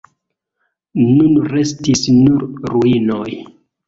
Nun restis nur ruinoj.